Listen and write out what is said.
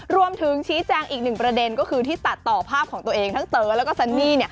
รวมถึงชี้แจงอีกหนึ่งประเด็นก็คือที่ตัดต่อภาพของตัวเองทั้งเต๋อแล้วก็ซันนี่